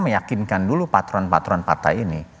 meyakinkan dulu patron patron partai ini